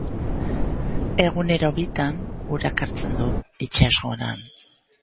Egunero bitan urak hartzen du, itsasgoran.